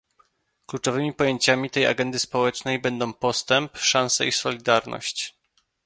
Kluczowymi pojęciami tej agendy społecznej będą dostęp, szanse i solidarność